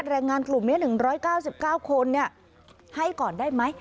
แรงงานกลุ่มนี้๑๙๙คนให้ก่อนได้ไหม